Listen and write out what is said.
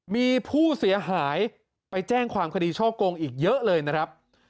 มีผู้เสียหายไปแจ้งความคดีช่อกงอีกเยอะเลยนะครับ